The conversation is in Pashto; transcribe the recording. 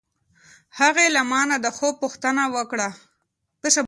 هغې له ما نه د خوب پوښتنه وکړه.